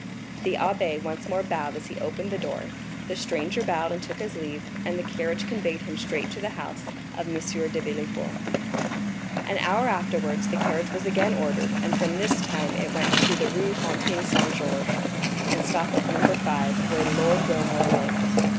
The abbé once more bowed as he opened the door, the stranger bowed and took his leave, and the carriage conveyed him straight to the house of M. de Villefort. An hour afterwards the carriage was again ordered, and this time it went to the Rue Fontaine Saint Georges, and stopped at No. 5, where Lord Wilmore lived.